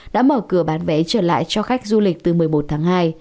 đã mở cửa bán vé trở lại cho khách du lịch từ một mươi một tháng hai